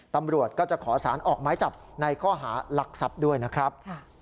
ตำรวจก็จะขอสารออกไม้จับในข้อหารักทรัพย์ด้วยนะครับ